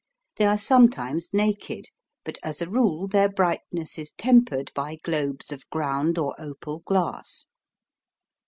They are sometimes naked, but as a rule their brightness is tempered by globes of ground or opal glass.